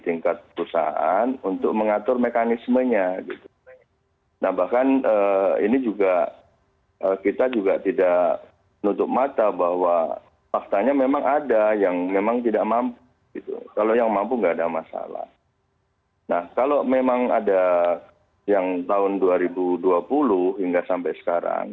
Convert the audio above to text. nah kalau memang ada yang tahun dua ribu dua puluh hingga sampai sekarang